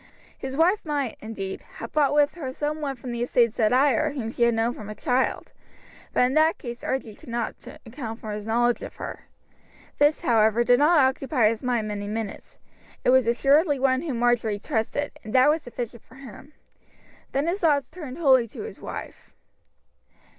His wife might, indeed, have brought with her some one from the estates at Ayr whom she had known from a child, but in that case Archie could not account for his knowledge of her. This, however, did not occupy his mind many minutes; it was assuredly one whom Marjory trusted, and that was sufficient for him. Then his thoughts turned wholly to his wife.